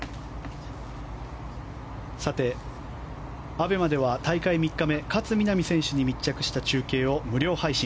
ＡＢＥＭＡでは大会３日目勝みなみ選手に密着した中継を無料配信。